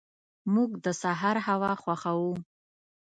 موږ د سهار هوا خوښو.